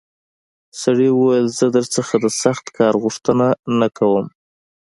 سړي وویل زه درنه د سخت کار غوښتنه نه کوم.